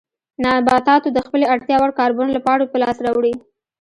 نباتاتو د خپلې اړتیا وړ کاربن له پاڼو په لاس راوړي.